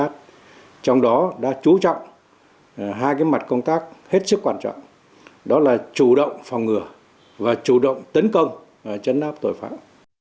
trong đó đã chú trọng hai mặt công tác hết sức quan trọng đó là chủ động phòng ngừa và chủ động tấn công chấn áp tội phạm